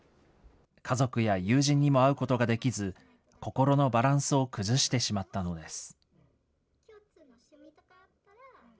家族や友人にも会うことができず、心のバランスを崩してしまったのです。